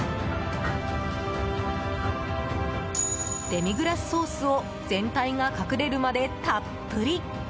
デミグラスソースを全体が隠れるまでたっぷり。